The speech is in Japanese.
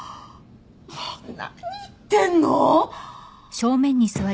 もう何言ってんの！？